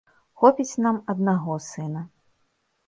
Хопіць нам аднаго сына.